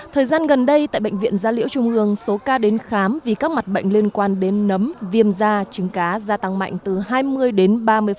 thời gian gần đây tại bệnh viện gia liễu trung ương số ca đến khám vì các mặt bệnh liên quan đến nấm viêm da trứng cá gia tăng mạnh từ hai mươi đến ba mươi